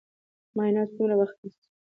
معاینات څومره وخت نیسي؟